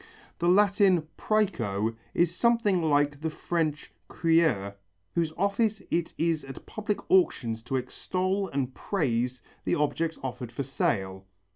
The Latin præco is something like the French crieur whose office it is at public auctions to extol and praise the objects offered for sale.